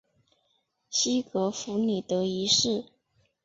西格弗里德一世。